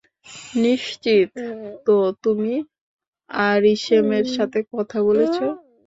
নিশ্চিত তো তুমি আরিশেমের সাথে কথা বলেছ?